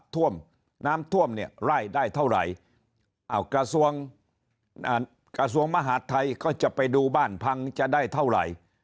ท่วมน้ำท่วมเนี่ยไล่ได้เท่าไหร่อ้าวกระทรวงกระทรวงมหาดไทยก็จะไปดูบ้านพังจะได้เท่าไหร่